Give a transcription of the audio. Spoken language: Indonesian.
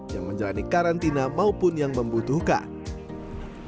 yang menjalani karantina maupun yang membutuhkan